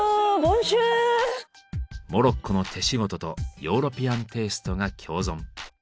モロッコの手仕事とヨーロピアンテイストが共存。